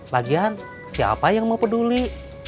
lagian siapa yang mau peduli